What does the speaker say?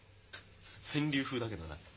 川柳風だけどな。